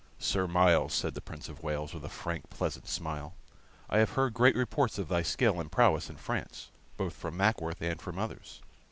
"Sir Myles," said the Prince of Wales, with a frank, pleasant smile, "I have heard great reports of thy skill and prowess in France, both from Mackworth and from others.